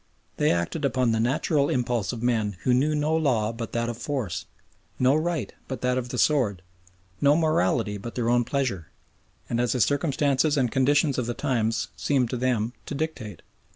They acted upon the natural impulse of men who knew no law but that of force, no right but that of the sword, no morality but their own pleasure, and as the circumstances and conditions of the times seemed to them to dictate.